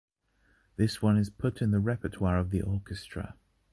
This one is put in the repertoire of the orchestra.